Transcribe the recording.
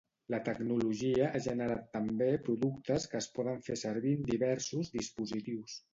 La tecnologia ha generat també productes que es poden fer servir en diversos dispositius.